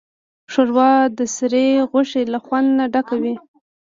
ښوروا د سرې غوښې له خوند نه ډکه وي.